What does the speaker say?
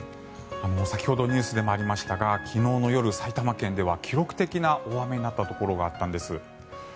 先ほどニュースでもありましたが昨日の夜、埼玉県では記録的な大雨になったところがあったんです。